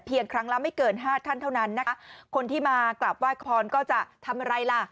ครั้งละไม่เกินห้าท่านเท่านั้นนะคะคนที่มากราบไหว้ขอพรก็จะทำอะไรล่ะ